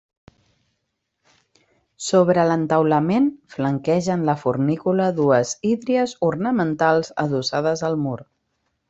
Sobre l'entaulament flanquegen la fornícula dues hídries ornamentals adossades al mur.